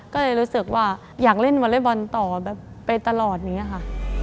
ก็เลยรู้สึกว่าอยากเล่นวอเล็กบอลต่อไปตลอดอย่างนี้ค่ะ